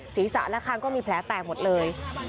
ศีรษะและคางก็มีแผลแตกหมดเลย